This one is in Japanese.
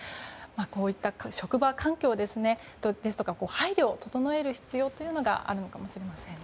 こういった職場環境ですとか配慮を整える必要があるのかもしれませんね。